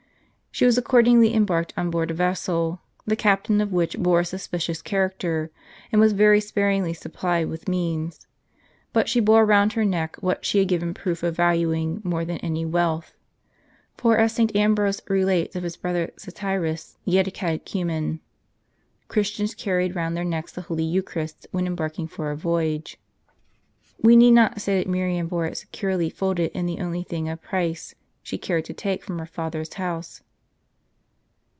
She was accordingly embarked on board a vessel, the captain of which bore a suspicious character, and was very sparingly supplied with means. But she bore round her neck what she had given proof of valuing, more than any wealth. For, as St. Ambrose relates of his brother Satyrus, yet a catechumen. Christians carried round their necks the Holy Eucharist, when embarking for a voyage.* We need not say that Miriam bore it securely folded in the only thing of price she cared to take from her father's house.